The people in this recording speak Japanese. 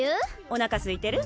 おなかすいてる？